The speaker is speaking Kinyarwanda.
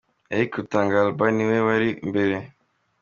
Eric Rutanga Alba ni we wari imbere.